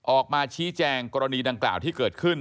ออกมาชี้แจงกรณีดังกล่าวที่เกิดขึ้น